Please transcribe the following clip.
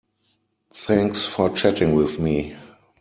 Thanks for chatting with me.